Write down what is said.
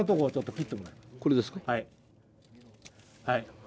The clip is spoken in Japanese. はい。